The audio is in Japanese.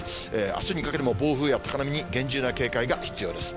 あすにかけても暴風や高波に厳重な警戒が必要です。